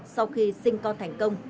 sau khi sinh con thành công